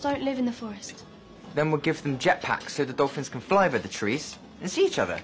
そうだよ！